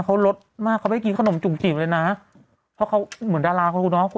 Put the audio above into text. เขารสมากเขาไม่กินขนมจุ่มจีบเลยนะเพราะเขาเหมือนดาราเขารู้เนอะ